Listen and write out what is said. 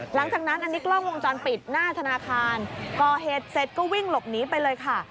หลังจากนั้นอันนี้กล้องวงจรปิดหน้าธนาคารก่อเหตุเสร็จก็วิ่งหลบหนีไปเลยค่ะ